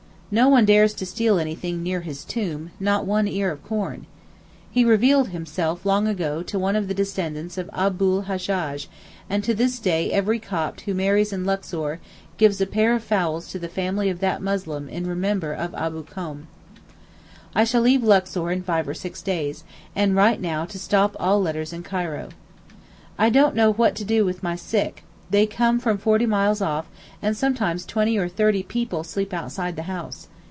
No one dares to steal anything near his tomb, not one ear of corn. He revealed himself long ago to one of the descendants of Abu l Hajjaj, and to this day every Copt who marries in Luxor gives a pair of fowls to the family of that Muslim in remembrance of Abu Khom. I shall leave Luxor in five or six days—and write now to stop all letters in Cairo. I don't know what to do with my sick; they come from forty miles off, and sometimes twenty or thirty people sleep outside the house.